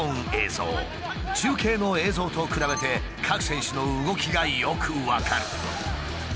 中継の映像と比べて各選手の動きがよく分かる。